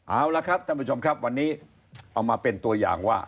เอาละครับท่านผู้ชมครับวันนี้เอามาเป็นตัวอย่างว่า